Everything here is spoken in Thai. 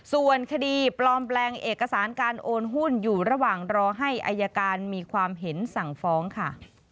ส่วนคดีปลอมแปลงเอกสารการโอนหุ้นอยู่ระหว่างรอให้อายการมีความเห็นสั่งฟ้องค่ะ